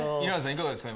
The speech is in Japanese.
いかがですか？